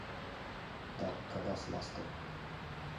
Так, кагаз ластык.